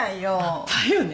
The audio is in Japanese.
だよね。